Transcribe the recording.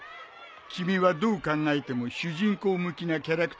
君はどう考えても主人公向きなキャラクターじゃないよ。